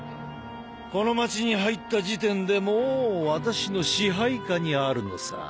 この街に入った時点でもう私の支配下にあるのさ。